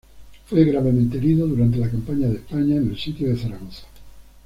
Fue gravemente herido durante la campaña de España, en el sitio de Zaragoza.